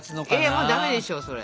えっもうダメでしょそれ。